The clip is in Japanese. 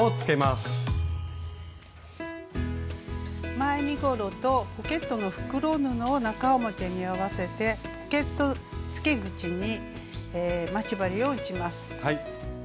前身ごろとポケットの袋布を中表に合わせてポケットつけ口に待ち針を打ちます。